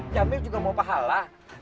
ya mir juga mau pahala